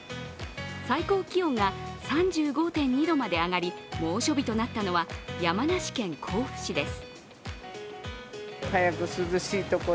最高気温が３５．２度まで上がり猛暑日となったのは山梨県甲府市です。